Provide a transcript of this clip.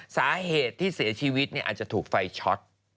สาเหตุที่เสียชีวิตอาจจะถูกไฟช็อต